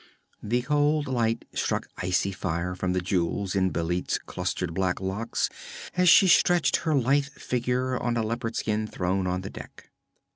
The cold light struck icy fire from the jewels in Bêlit's clustered black locks as she stretched her lithe figure on a leopardskin thrown on the deck.